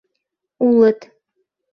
— Улыт.